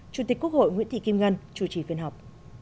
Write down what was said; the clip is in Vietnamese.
chủ tịch quốc hội nguyễn thị kim ngân chủ trì phiên họp